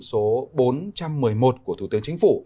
số bốn trăm một mươi một của thủ tướng chính phủ